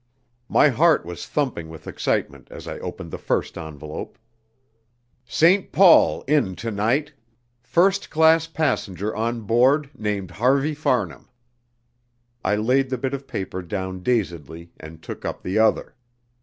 My heart was thumping with excitement as I opened the first envelope. "St. Paul in to night. First class passenger on board named Harvey Farnham." I laid the bit of paper down dazedly and took up the other.